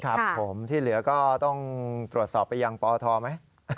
ครับผมที่เหลือก็ต้องตรวจสอบไปยังปทไหม